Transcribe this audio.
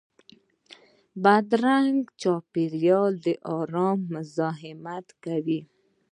بدرنګه چاپېریال د ارام مزاحمت کوي